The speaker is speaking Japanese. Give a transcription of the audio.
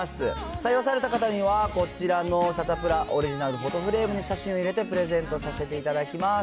採用された方には、こちらのサタプラオリジナルフォトフレームに写真を入れてプレゼントさせていただきます。